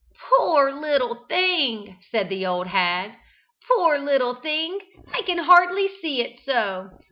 "Poor little thing!" said the old hag. "Poor little thing! I can hardly see it so.